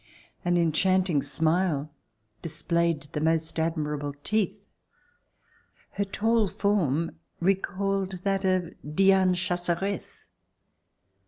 An enchanting smile displayed the most admirable teeth. Her tall form recalled that of Diane Chasseresse.